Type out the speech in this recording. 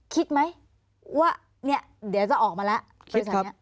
คิดไหมว่าเดี๋ยวจะออกมาแล้ว